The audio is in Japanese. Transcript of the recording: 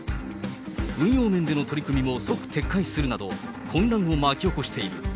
運用面での取り組みも即撤回するなど、混乱を巻き起こしている。